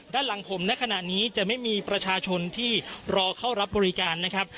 ด้านหลังผมในขณะนี้จะไม่มีประชาชนที่รอเข้ารับบริการนะครับ